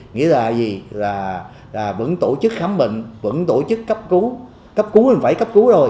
nghĩa là gì là vẫn tổ chức khám bệnh vẫn tổ chức cấp cứu cấp cứu mình phải cấp cứu rồi